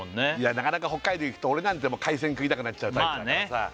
なかなか北海道行くと俺なんてもう海鮮食いたくなっちゃうタイプだからさまあね